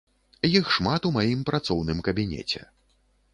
Іх шмат у маім працоўным кабінеце.